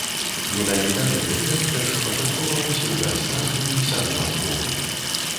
Менавіта гэты трэк першапачаткова мусіў даць назву і ўсяму альбому.